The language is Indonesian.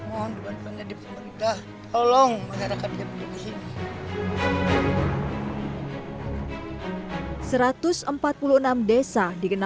mohon dukungan dukungan dari pemerintah tolong masyarakat yang berada di sini